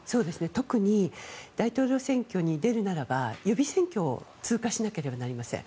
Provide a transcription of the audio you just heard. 特に大統領選挙に出るならば予備選挙を通過しなければなりません。